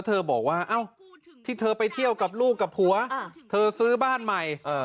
เธอบอกว่าที่เธอไปเที่ยวกับลูกกับผัวเธอซื้อบ้านใหม่